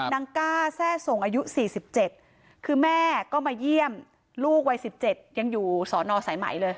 กล้าแทร่ส่งอายุ๔๗คือแม่ก็มาเยี่ยมลูกวัย๑๗ยังอยู่สอนอสายไหมเลย